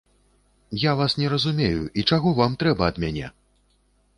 Я вас не разумею, і чаго вам трэба ад мяне?